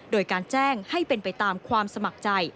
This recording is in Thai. โดยการแจ้งให้เป็นไปตามความสมัครใจ